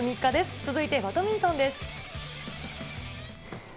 続いてバドミントンです。